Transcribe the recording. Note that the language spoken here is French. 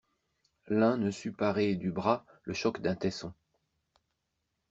L'un ne sut parer du bras le choc d'un tesson.